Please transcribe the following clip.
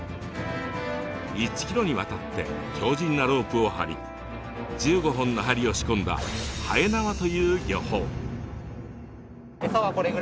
１ｋｍにわたって強じんなロープを張り１５本の針を仕込んだ「延縄」という漁法。